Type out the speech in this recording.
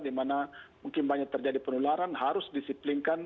di mana mungkin banyak terjadi penularan harus disiplinkan